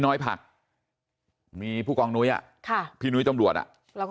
น้อยผักมีผู้กองนุ้ยอ่ะค่ะพี่นุ้ยตำรวจอ่ะแล้วก็